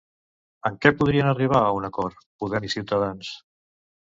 En què podrien arribar a un acord, Podem i Ciutadans?